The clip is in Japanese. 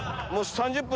３０分！